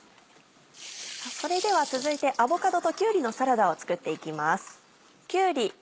それでは続いてアボカドときゅうりのサラダを作っていきます。